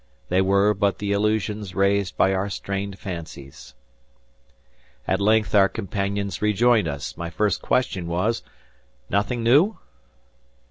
They were but the illusions raised by our strained fancies. At length our companions rejoined us. My first question was, "Nothing new?"